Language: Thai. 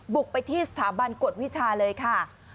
บุกไปที่สถาบันกฎวิชาเลยค่ะ